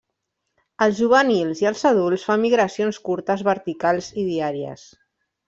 Els juvenils i els adults fan migracions curtes verticals i diàries.